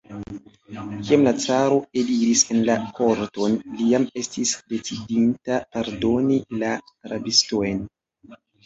Kiam la caro eliris en la korton, li jam estis decidinta pardoni la rabistojn.